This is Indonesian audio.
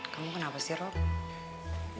kamu kenapa sih rom